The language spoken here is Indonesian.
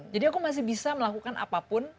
jadi aku masih bisa melakukan apapun